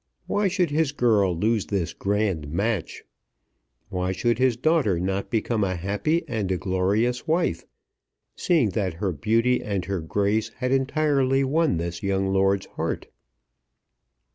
Why should his girl lose this grand match? Why should his daughter not become a happy and a glorious wife, seeing that her beauty and her grace had entirely won this young lord's heart?